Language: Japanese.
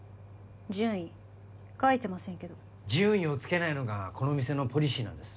順位書いてませんけど順位をつけないのがこの店のポリシーなんです